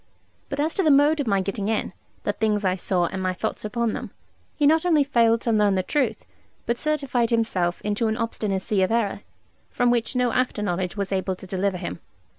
But as to the mode of my getting in, the things I saw, and my thoughts upon them, he not only failed to learn the truth, but certified himself into an obstinacy of error, from which no after knowledge was able to deliver him.